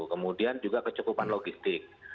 kemudian juga kecukupan logistik